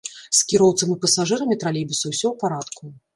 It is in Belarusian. З кіроўцам і пасажырамі тралейбуса ўсё ў парадку.